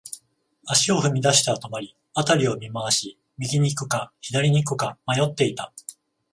足を踏み出しては止まり、辺りを見回し、右に行くか、左に行くか迷っていた。